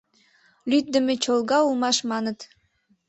— Лӱддымӧ, чолга улмаш, маныт.